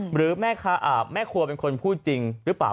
หรือแม่ครัวเป็นคนพูดจริงหรือเปล่า